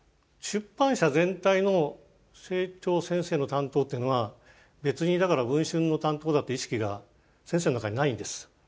出版社全体の清張先生の担当っていうのは別にだから「文春」の担当だっていう意識が先生の中にないんです。